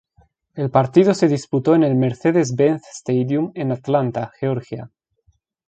El partido se disputó en el Mercedes-Benz Stadium en Atlanta, Georgia.